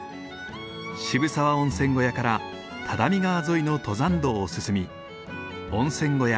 渋沢温泉小屋から只見川沿いの登山道を進み温泉小屋